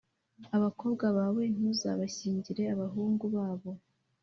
Abakobwa bawe ntuzabashyingire abahungu babo,